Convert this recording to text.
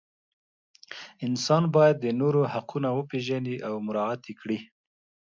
انسان باید د نورو حقونه وپیژني او مراعات کړي.